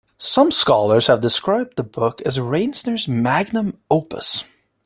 Some scholars have described the book as Reisner's magnum opus.